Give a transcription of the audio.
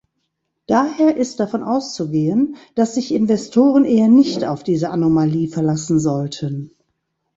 Daher ist davon auszugehen, dass sich Investoren eher nicht auf diese Anomalie verlassen sollten.